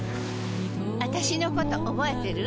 あたしのこと覚えてる？